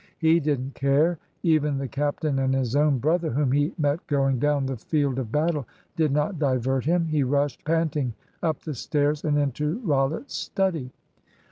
He didn't care. Even the captain and his own brother, whom he met going down to the field of battle, did not divert him. He rushed panting up the stairs and into Rollitt's study.